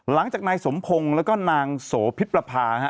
หลังจากนายสมพงศ์แล้วก็นางโสพิษประพาฮะ